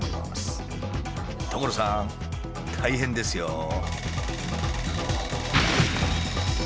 大変ですよ。